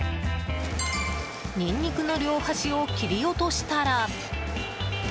ニンニクの両端を切り落としたら。